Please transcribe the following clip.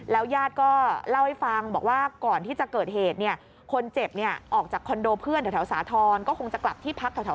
ญาติก็เล่าให้ฟังบอกว่าก่อนที่จะเกิดเหตุเนี่ยคนเจ็บเนี่ยออกจากคอนโดเพื่อนแถวสาธรณ์ก็คงจะกลับที่พักแถว